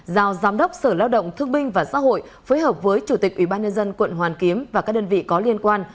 giao giám đốc sở lao động thương binh và xã hội phối hợp với chủ tịch ubnd quận hoàn kiếm và các đơn vị có liên quan